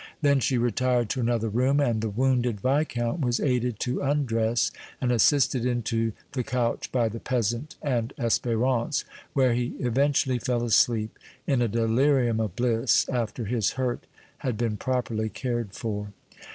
Then she retired to another room, and the wounded Viscount was aided to undress and assisted into the couch by the peasant and Espérance, where he eventually fell asleep in a delirium of bliss, after his hurt had been properly cared for.